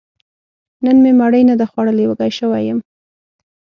نن مې مړۍ نه ده خوړلې، وږی شوی يم